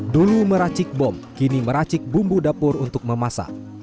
dulu meracik bom kini meracik bumbu dapur untuk memasak